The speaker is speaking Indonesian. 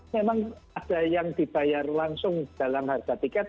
memang ada yang dibayar langsung dalam harga tiket